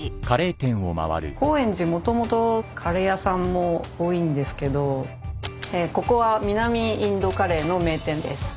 高円寺もともとカレー屋さん多いんですけどここは南インドカレーの名店です。